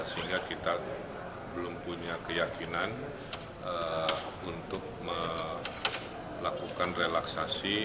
sehingga kita belum punya keyakinan untuk melakukan relaksasi